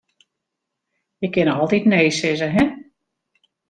Je kinne altyd nee sizze, hin.